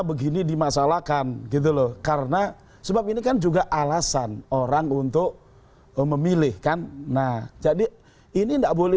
begini dimasalahkan gitu loh karena sebab ini kan juga alasan orang untuk memilihkan nah jadi ini